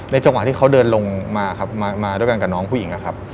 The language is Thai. ในจังหวะที่เขาเดินลงมามาด้วยกันกับน้องผู้หญิง